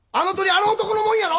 あの男のもんやろ！